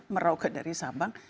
merauke dari sabang